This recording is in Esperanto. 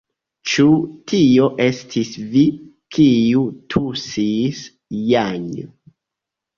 Ĉu tio estis vi, kiu tusis, Janjo?